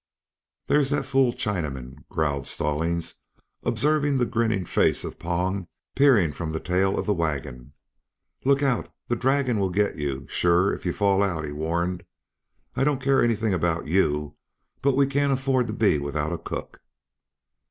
"There's that fool Chinaman," growled Stallings, observing the grinning face of Pong peering from the tail of the wagon. "Look out, the dragon will get you, sure, if you fall out!" he warned. "I don't care anything about you, but we can't afford to be without a cook."